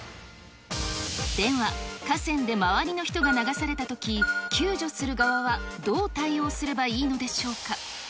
では、河川で周りの人が流されたとき、救助する側はどう対応すればいいのでしょうか。